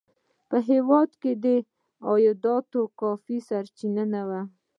په هېواد کې د عایداتو کافي سرچینې نه وې.